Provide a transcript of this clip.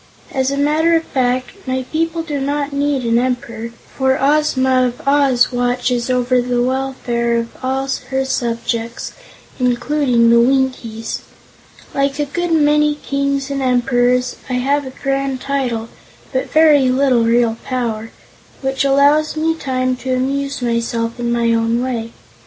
"As a matter of fact, my people do not need an Emperor, for Ozma of Oz watches over the welfare of all her subjects, including the Winkies. Like a good many kings and emperors, I have a grand title, but very little real power, which allows me time to amuse myself in my own way.